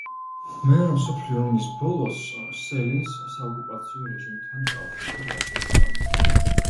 მეორე მსოფლიო ომის ბოლოს სელინს საოკუპაციო რეჟიმთან კავშირში დასდეს ბრალი.